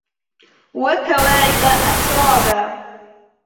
وكواعب أترابا